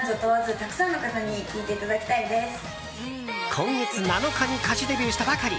今月７日に歌手デビューしたばかり。